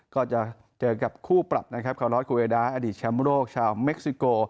ก็จะเจอกับคู่ปรับนะครับคาวน้อยคูเอดาอดีตแชมป์โลกชาวเม็กซิโก